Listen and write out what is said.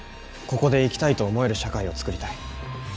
ここで生きたいと思える社会を作りたい。